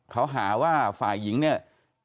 เขาหาว่าฝ่ายหญิงเนี่ย